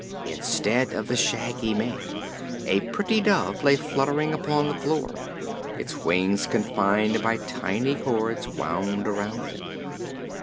Instead of the Shaggy Man, a pretty dove lay fluttering upon the floor, its wings confined by tiny cords wound around them.